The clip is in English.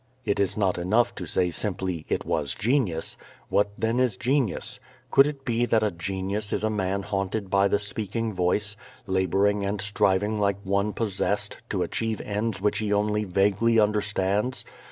It is not enough to say simply, "It was genius." What then is genius? Could it be that a genius is a man haunted by the speaking Voice, laboring and striving like one possessed to achieve ends which he only vaguely understands?